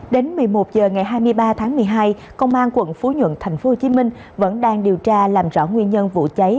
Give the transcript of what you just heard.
đến một mươi một h ngày hai mươi ba tháng một mươi hai công an quận phú nhuận tp hcm vẫn đang điều tra làm rõ nguyên nhân vụ cháy